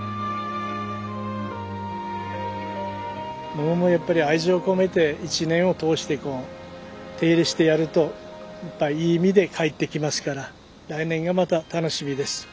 モモもやっぱり愛情を込めて一年を通してこう手入れしてやるといい実で返ってきますから来年がまた楽しみです。